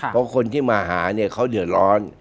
เพราะคนที่มาหาเขาเดิดร้อน